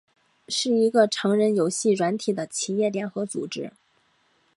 是一个成人游戏软体的企业联合组织。